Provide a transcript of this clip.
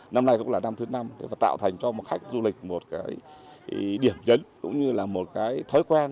năm nay cũng là năm thứ năm tạo thành cho khách du lịch một điểm nhấn cũng như là một thói quen